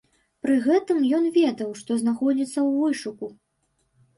Пры гэтым ён ведаў, што знаходзіцца ў вышуку.